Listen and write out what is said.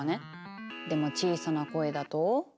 でも小さな声だと。